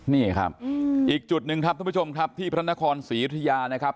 นี่ครับอีกจุดหนึ่งครับท่านผู้ชมครับที่พระนครศรียุธยานะครับ